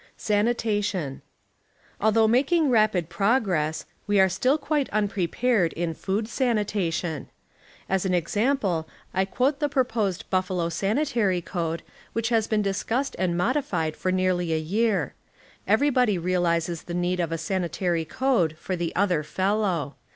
Sanitation Although making rapid progress, we are still quite unpre pared in food sanitation. As. an example I quote the proposed Buffalo Sanitary Code which has been discussed and modified for nearly a year. Everybody realizes the need of a sanitary code for the other fellow.